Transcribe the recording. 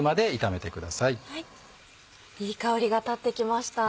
いい香りが立ってきました。